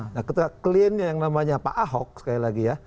nah ketika kliennya yang namanya pak ahok sekali lagi ya